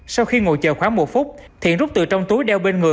sau khi ngồi chờ khoảng một phút thiện rút từ trong túi đeo bên người